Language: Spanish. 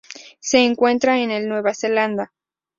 Se encuentra en el Nueva Zelanda.